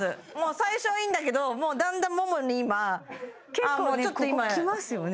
最初はいいんだけどだんだんももに今結構ここきますよね